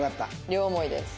両思いです。